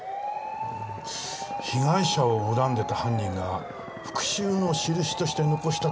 被害者を恨んでた犯人が復讐の印として残したとも考えれるな。